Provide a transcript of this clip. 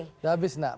sudah habis nak